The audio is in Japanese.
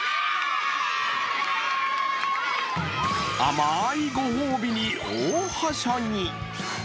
あまいご褒美に大はしゃぎ。